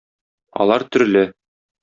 Алар төрле.